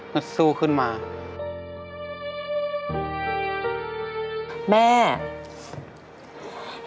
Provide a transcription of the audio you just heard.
เห็นลูกกับพ่อดีขึ้นมาระดับหนึ่งแล้วเนี่ย